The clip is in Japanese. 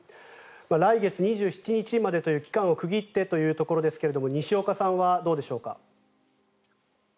来月２７日までという期間を区切ってというところですが西岡さんはどうでしょうか。